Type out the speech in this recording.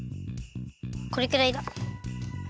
これくらいだ！